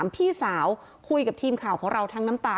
พี่สาวคุยกับทีมข่าวของเราทั้งน้ำตา